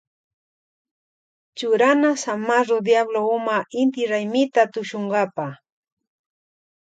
Churana zamarro diablo huma inti raymita tushunkapa.